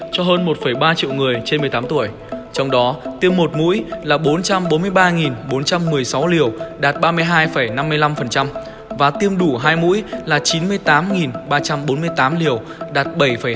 cho hơn một ba triệu người trên một mươi tám tuổi trong đó tiêm một mũi là bốn trăm bốn mươi ba bốn trăm một mươi sáu liều đạt ba mươi hai năm mươi năm và tiêm đủ hai mũi là chín mươi tám ba trăm bốn mươi tám liều đạt bảy hai mươi